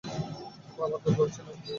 বাবা দুর্বল ছিলেন না।